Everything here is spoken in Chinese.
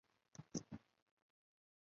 锐叶紫珠为马鞭草科紫珠属下的一个种。